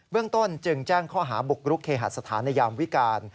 เรื่องต้นจึงแจ้งข้อหาบุกรุกเคหสถานในยามวิการ